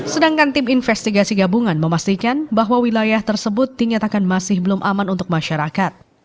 sedangkan tim investigasi gabungan memastikan bahwa wilayah tersebut dinyatakan masih belum aman untuk masyarakat